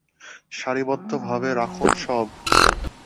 সারিবদ্ধভাবে রাখুন সব!